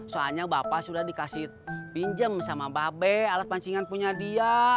soalnya bapak sudah dikasih pinjem sama mbak bei alat pancingan punya dia